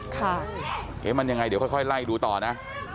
เอ๊ะมันยังไงเดี๋ยวค่อยไล่ดูต่อนะ